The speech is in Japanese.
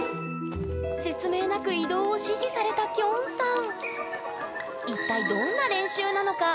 説明なく移動を指示されたきょんさん。